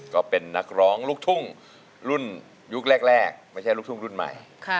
ก็เป็นนักร้องลูกทุ่งรุ่นยุคแรกไม่ใช่ลูกทุ่งรุ่นใหม่